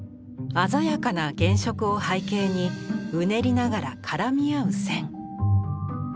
鮮やかな原色を背景にうねりながら絡み合う線。